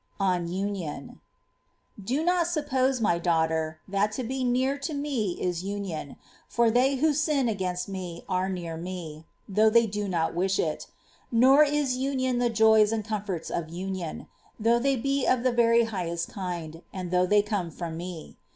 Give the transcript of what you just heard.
On Union. 2. *' Do not suppose, My daughter, that to be near to Me is union ; for they who sin against Me are near Me, though they do not wish it. Nor is union the joys and comforts of union,^ though they be of the very highest kind, and though they come from Me.